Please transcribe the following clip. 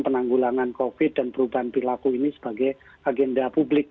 penanggulangan covid dan perubahan perilaku ini sebagai agenda publik